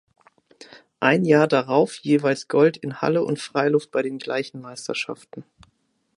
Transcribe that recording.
Ein Jahr darauf jeweils Gold in Halle und Freiluft bei den gleichen Meisterschaften.